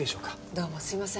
どうもすいません。